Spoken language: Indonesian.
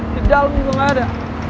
di dalam juga nggak ada